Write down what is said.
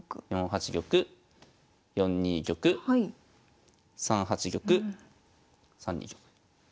４八玉４二玉３八玉３二玉。